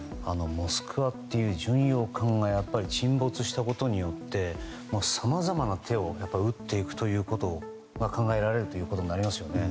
「モスクワ」という巡洋艦が沈没したことによってさまざまな手を打っていくということが考えられるということになりますよね。